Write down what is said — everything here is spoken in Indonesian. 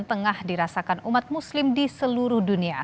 tengah dirasakan umat muslim di seluruh dunia